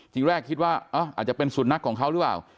ทีแรกคิดว่าอาจจะเป็นสุดนักของเขาหรือเปล่า